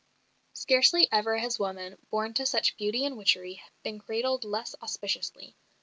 Scarcely ever has woman, born to such beauty and witchery, been cradled less auspiciously.